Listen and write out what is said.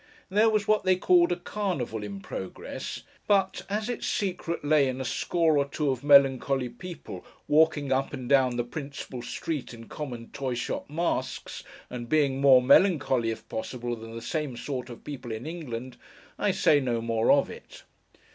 There was what they called a Carnival, in progress; but, as its secret lay in a score or two of melancholy people walking up and down the principal street in common toy shop masks, and being more melancholy, if possible, than the same sort of people in England, I say no more of it.